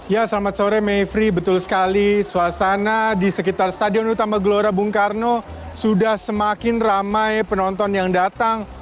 ya selamat sore mevri betul sekali suasana di sekitar stadion utama gelora bung karno sudah semakin ramai penonton yang datang